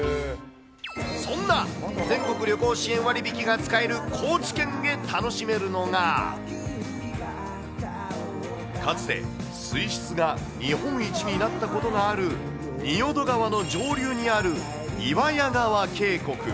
そんな全国旅行支援割引が使える高知県で楽しめるのが、かつて水質が日本一になったことがある仁淀川の上流にある岩屋川渓谷。